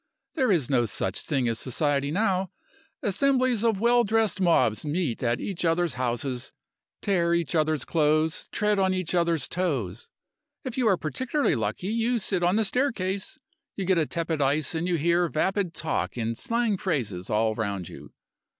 There is no such thing as society now. Assemblies of well dressed mobs meet at each other's houses, tear each other's clothes, tread on each other's toes. If you are particularly lucky, you sit on the staircase, you get a tepid ice, and you hear vapid talk in slang phrases all round you.